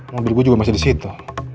mobil gue juga masih disitu